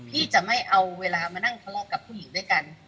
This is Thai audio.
พี่จะไม่เอาเวลามานั่งทะเลาะกับผู้หญิงด้วยกัน